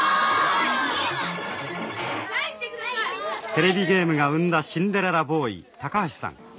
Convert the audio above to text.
「テレビゲームが生んだシンデレラボーイ高橋さん。